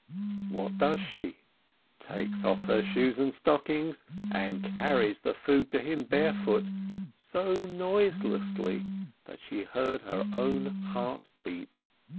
What does she? Takes off her shoes and stockings, and carries the food to him barefoot, so noiselessly that she heard her own heart beat.